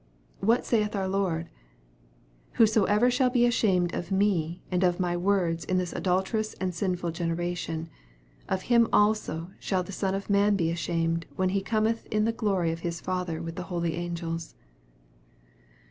What saith our Lord ?" Whosoever shall be ashamed of me and of my words in this adulterous and sinful generation, of him also shall the Son of Man be ashamed when He cometh in the glory of His Father with the holy angels."